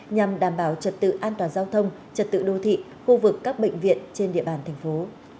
nhằm đảm bảo trật tự an toàn giao thông trật tự đô thị khu vực các bệnh viện trên địa bàn thành phố